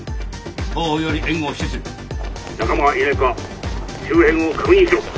後方より援護しつつ仲間がいないか周辺を確認しろ。